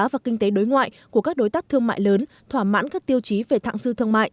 và kinh tế đối ngoại của các đối tác thương mại lớn thỏa mãn các tiêu chí về thạng dư thương mại